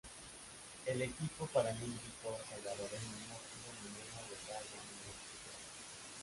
El equipo paralímpico salvadoreño no obtuvo ninguna medalla en estos Juegos.